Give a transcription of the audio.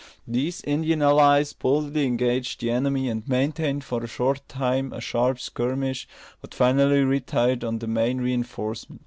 These Indian allies boldly engaged the enemy, and maintained for a short time a sharp skirmish, but finally retired on the main reinforcement.